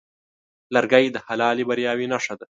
لرګی د حلالې بریاوې نښه ده.